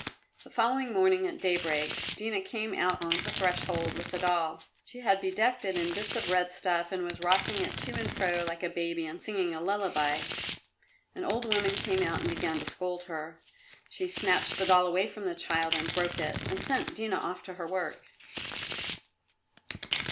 The following morning, at daybreak, Dina came out on the threshold with the doll. She had bedecked it in bits of red stuff, and was rocking it to and fro like a baby and singing a lullaby. An old woman came out and began to scold her. She snatched the doll away from the child and broke it, and sent Dina off to her work.